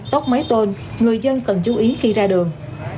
tóc mái tôn người dân cần chú ý khi ra đường